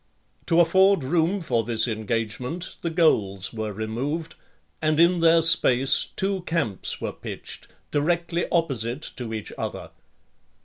To afford room for this engagement, the goals were removed, and in their space two camps were pitched, directly opposite to each other.